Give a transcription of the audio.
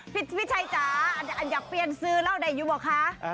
พี่ชัยจ๊ะอยากเปลี่ยนซื้อเล่าใดยุบ่ะคะ